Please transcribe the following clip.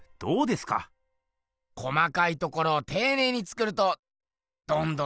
細かいところをていねいに作るとどんどんリアルになんだなぁ。